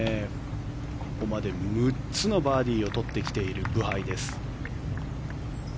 ここまで６つのバーディーを取ってきているブハイです。